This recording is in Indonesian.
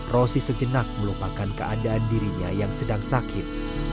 rosi sejenak melupakan keadaan dirinya yang sedang sakit